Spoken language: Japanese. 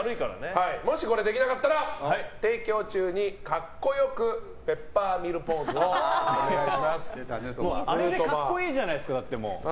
もしこれができなかったら提供中に格好良くペッパーミルポーズをあれで格好いいじゃないですか！